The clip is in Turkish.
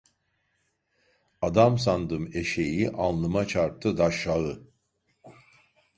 Adam sandım eşeği, alnıma çarptı daşşağı!